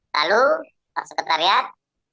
lalu pak sekretariat